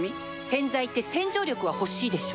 洗剤って洗浄力は欲しいでしょ